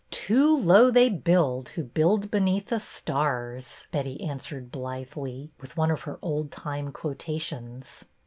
"' Too low they build, who build beneath the Stars,' " Betty answered blithely, with one of her old time quotations.